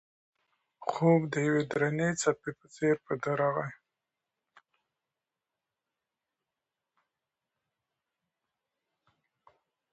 خوب د یوې درنې څپې په څېر په ده راغی.